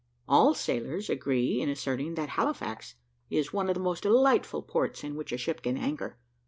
All sailors agree in asserting that Halifax is one of the most delightful ports in which a ship can anchor.